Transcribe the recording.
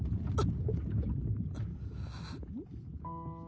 あっ。